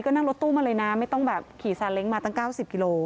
ก็นั่งรถตู้มาเลยนะไม่ต้องแบบขี่ซาเล้งมาตั้ง๙๐กิโล